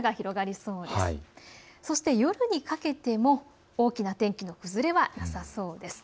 そして夜にかけても大きな天気の崩れはなさそうです。